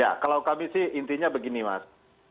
ya kalau kami sih intinya begini mas